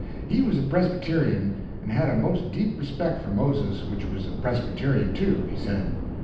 He was a Presbyterian, and had a most deep respect for Moses which was a Presbyterian, too, he said.